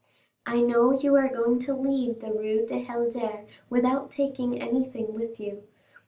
I know you are going to leave the Rue du Helder without taking anything with you.